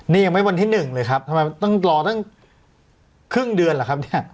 นี่ยังไม่วันที่๑เลยครับทำไมมันต้องรอตั้งครึ่งเดือนล่ะครับเนี่ย